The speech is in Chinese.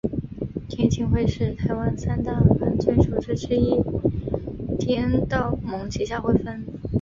天庆会是台湾三大犯罪组织之一天道盟旗下分会。